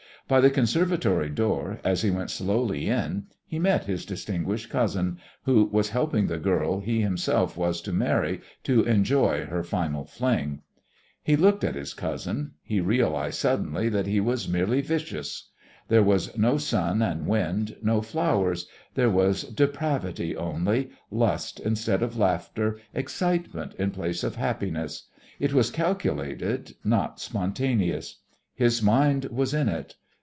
By the conservatory door, as he went slowly in, he met his distinguished cousin who was helping the girl he himself was to marry to enjoy her "final fling." He looked at his cousin. He realised suddenly that he was merely vicious. There was no sun and wind, no flowers there was depravity only, lust instead of laughter, excitement in place of happiness. It was calculated, not spontaneous. His mind was in it.